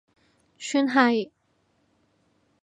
算係